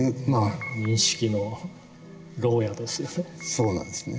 そうなんですね。